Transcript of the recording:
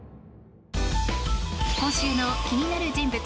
今週の気になる人物